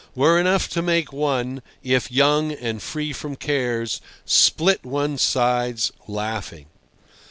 were enough to make one (if young and free from cares) split one's sides laughing.